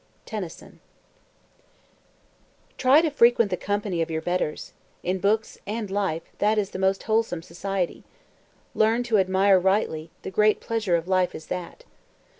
TENNYSON Try to frequent the company of your betters. In books and life, that is the most wholesome society; learn to admire rightly; the great pleasure of life is that.